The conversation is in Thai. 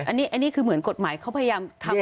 อันนี้คือเหมือนกฎหมายเขาพยายามทำ